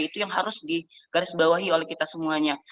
itu yang harus digarisbawahi oleh kita semuanya